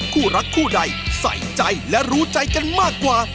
คู่รักคู่ใดใส่ใจและรู้ใจกันมากกว่า